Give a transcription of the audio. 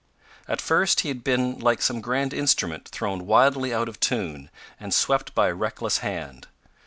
At first he had been like some grand instrument thrown wildly out of tune and swept by a reckless hand.